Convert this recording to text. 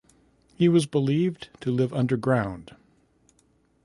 He was believed to live underground.